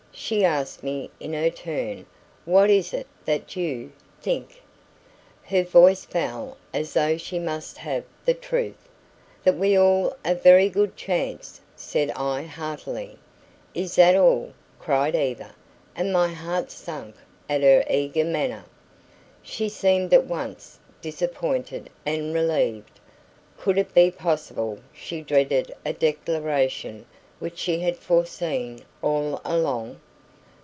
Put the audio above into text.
she asked me in her turn. "What is it that you think?" Her voice fell as though she must have the truth. "That we have all a very good chance," said I heartily. "Is that all?" cried Eva, and my heart sank at her eager manner. She seemed at once disappointed and relieved. Could it be possible she dreaded a declaration which she had foreseen all along?